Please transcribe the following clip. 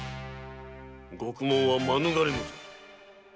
獄門は免れぬぞ！